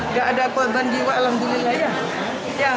ini memindah pasiennya